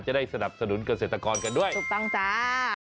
จะได้สนับสนุนเกษตรกรกันด้วยถูกต้องจ้า